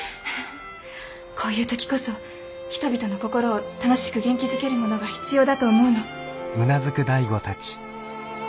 こういう時こそ人々の心を楽しく元気づけるものが必要だと思うの。